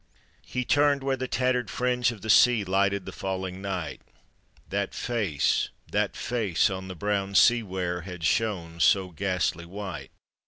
He turned where the tattered fringe of the sea Lighted the falling night; That face, that face on the brown sea ware Had shown so ghastly white!